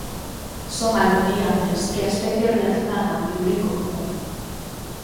Son algo meirandes que a especie relacionada o bilurico común.